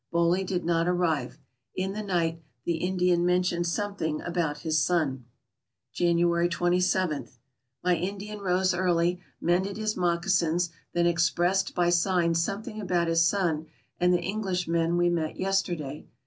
Boley did not arrive. In the night the Indian mentioned something about his son. January 27. — My Indian rose early, mended his mocca sins, then expressed by signs something about his son and the Englishmen we met yesterday.